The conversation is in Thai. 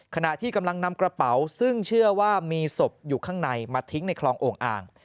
ขณะที่กำลังนำกระเป๋าซึ่งเชื่อว่ามีศพอยู่ข้างในมาทิ้งในคลองโอ่งอ่าง